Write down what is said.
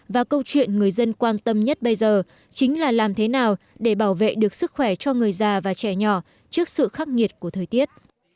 và câu chuyện người dân quan tâm nhất bây giờ chính là làm thế nào để bảo vệ được sức khỏe cho người già và trẻ nhỏ trước sự khắc nghiệt của thời tiết